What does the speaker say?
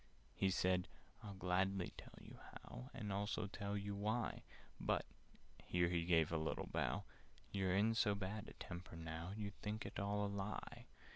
He said "I'd gladly tell you how, And also tell you why; But" (here he gave a little bow) "You're in so bad a temper now, You'd think it all a lie.